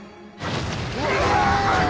うわ！